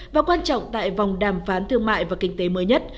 và quan trọng tại vòng đàm phán thương mại và kinh tế mới nhất